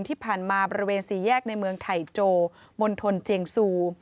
ที่ผ่านมาบริเวณสี่แยกในเมืองไทยโจมณฑลเจียงซู